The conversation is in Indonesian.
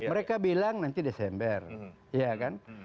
mereka bilang nanti desember iya kan